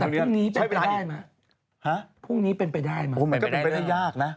แต่พรุ่งนี้เป็นไปได้ไหมฮะพรุ่งนี้เป็นไปได้ไหมมันก็เป็นไปได้ยากนะ